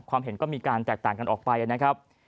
เห็นก็มีการแตกต่างกันออกไปนะครับ